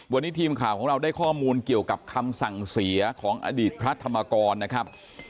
วันนี้ทีมข่าวของเราได้ข้อมูลเกี่ยวกับคำสั่งเสียของอดีตพระธรรมกรนะครับ